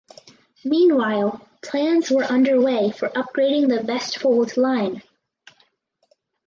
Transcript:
Meanwhile plans were under way for upgrading the Vestfold Line.